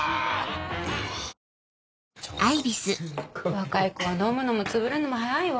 若い子は飲むのもつぶれんのも早いわ。